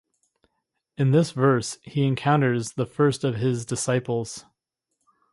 In this verse he encounters the first of his disciples.